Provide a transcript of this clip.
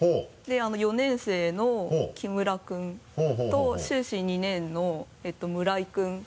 ４年生の木村君と修士２年の村井君。